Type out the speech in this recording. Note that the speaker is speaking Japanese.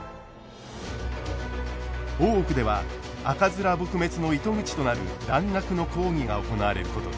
大奥では赤面撲滅の糸口となる蘭学の講義が行われることに。